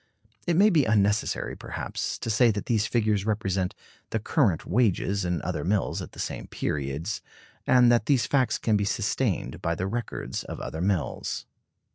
It may be unnecessary, perhaps, to say that these figures represent the current wages in other mills at the same periods; and that these facts can be sustained by the records of other mills.